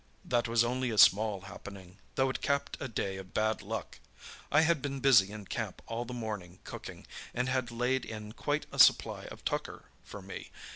"That was only a small happening, though it capped a day of bad luck. I had been busy in camp all the morning cooking, and had laid in quite a supply of tucker, for me.